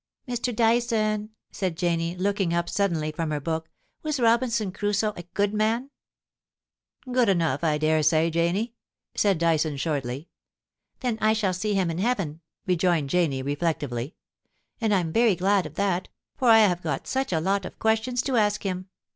' Mr. Dyson,' said Janie, looking up suddenly from her book, * was Robinson Crusoe a good man ?'* Good enough, I dare say, Janie,' said Dyson, shortly. 'Then I shall see him in heaven,' rejoined Janie, re flectively ;* and I'm very glad of that, for I have got such a lot of questions to ask him.